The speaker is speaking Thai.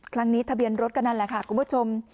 ครั้งนี้ทะเบียนรถกันนั้นแหละค่ะคุณผู้ชม